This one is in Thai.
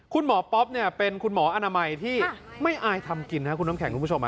ป๊อปเนี่ยเป็นคุณหมออนามัยที่ไม่อายทำกินครับคุณน้ำแข็งคุณผู้ชม